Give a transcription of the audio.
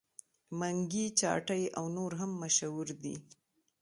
منګي چاټۍ او نور هم مشهور دي.